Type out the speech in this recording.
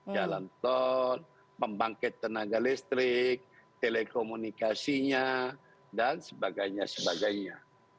jalan tol pembangkit tenaga listrik telekomunikasinya dan sebagainya sebagainya